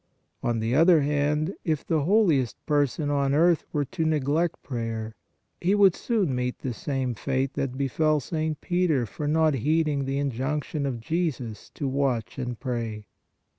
On the other hand, if the holiest person on earth were to neglect prayer, he would soon meet the same fate that befell St. Peter for not heeding the in junction of Jesus to watch and pray.